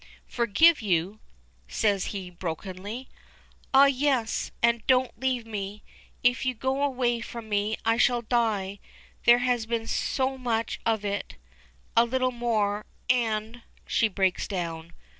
"Forgive you!" says he, brokenly. "Ah! yes. And don't leave me. If you go away from me I shall die. There has been so much of it a little more and " She breaks down.